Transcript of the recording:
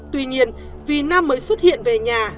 tuy nhiên vì nam mới xuất hiện về nhà